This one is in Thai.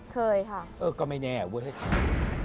เคยค่ะก็ไม่แน่โว้ยให้ทราบ